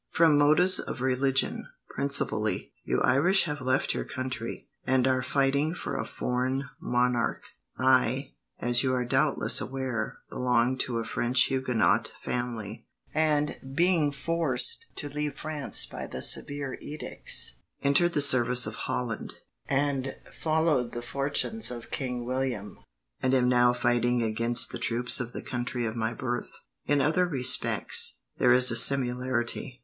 From motives of religion, principally, you Irish have left your country, and are fighting for a foreign monarch. I, as you are doubtless aware, belong to a French Huguenot family, and, being forced to leave France by the severe edicts, entered the service of Holland, and followed the fortunes of King William, and am now fighting against the troops of the country of my birth. In other respects, there is a similarity.